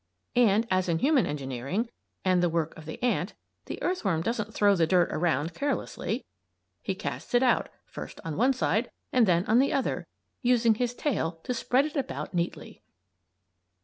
And, as in human engineering and the work of the ant, the earthworm doesn't throw the dirt around carelessly. He casts it out, first on one side and then on the other; using his tail to spread it about neatly.